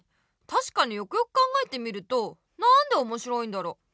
たしかによくよく考えてみるとなんでおもしろいんだろう？